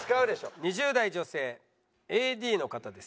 ２０代女性ＡＤの方です。